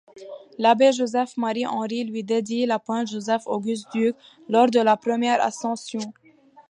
L'abbé Joseph-Marie Henry lui dédie la Pointe Joseph-Auguste Duc, lors de la première ascension.